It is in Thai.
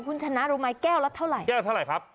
คุณชนะรู้ไหมแก้วละเท่าไหร่แก้วเท่าไหร่ครับ